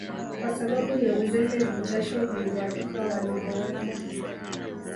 kwa sababu ya uzembe vijasho viliwatoka walipowekwa